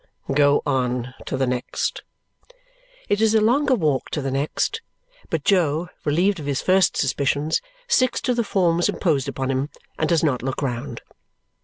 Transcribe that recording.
"Go on to the next!" It is a longer walk to the next, but Jo, relieved of his first suspicions, sticks to the forms imposed upon him and does not look round.